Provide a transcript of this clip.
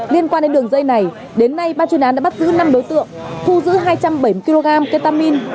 liên quan đến đường dây này đến nay ban chuyên án đã bắt giữ năm đối tượng thu giữ hai trăm bảy mươi kg ketamin